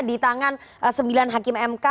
di tangan sembilan hakim mk